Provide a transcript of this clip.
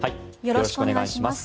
よろしくお願いします。